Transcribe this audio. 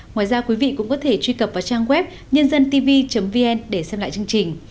ngoài ra quý vị cũng có thể truy cập vào trang web nhândântv vn để xem lại chương trình